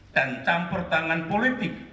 dan campur tangan politik